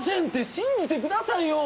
信じてくださいよ。